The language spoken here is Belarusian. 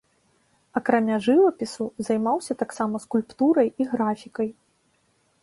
Акрамя жывапісу, займаўся таксама скульптурай і графікай.